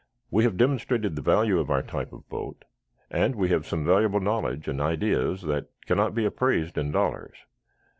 "We have demonstrated the value of our type of boat, and we have some valuable knowledge and ideas that cannot be appraised in dollars.